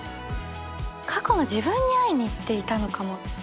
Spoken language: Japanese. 過去の自分に会いに行っていたのかも。